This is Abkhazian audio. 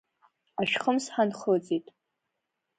Ашәхымс ҳанхыҵит.